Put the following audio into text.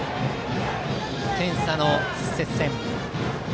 １点差の接戦。